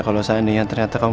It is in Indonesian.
kalau saat ini yang ternyata kamu